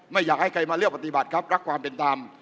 ไม่อยากให้ใครมาเลือกปฏิบัติครับรักความเป็นธรรม